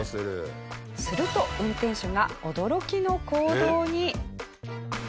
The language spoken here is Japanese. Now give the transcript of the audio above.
すると運転手が驚きの行動に。